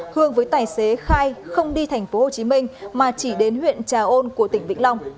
hương với tài xế khai không đi tp hcm mà chỉ đến huyện trà ôn của tỉnh vịnh hà